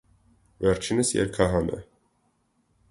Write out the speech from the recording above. Վերջինս երգահան է։